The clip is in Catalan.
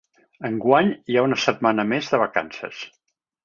Enguany hi ha una setmana més de vacances.